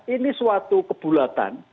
ini suatu kebulatan